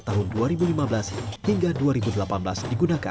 paut giri kumara